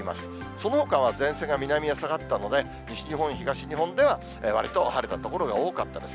そのほかは前線は南に下がったので、西日本、東日本ではわりと晴れた所が多かったです。